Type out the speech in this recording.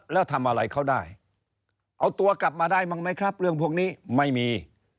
แล้วทำอะไรเขาได้เอาตัวกลับมาได้บ้างไหมครับเรื่องพวกนี้ไม่มี